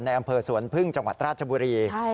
อำเภอสวนพึ่งจังหวัดราชบุรี